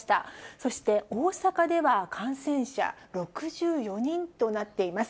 そして大阪では、感染者６４人となっています。